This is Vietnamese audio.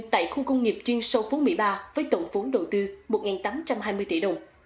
tại khu công nghiệp chuyên sâu phú mỹ ba với tổng phốn đầu tư một tám trăm hai mươi tỷ đồng